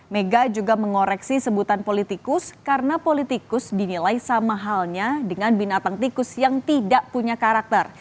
mega juga mengoreksi sebutan politikus karena politikus dinilai sama halnya dengan binatang tikus yang tidak punya karakter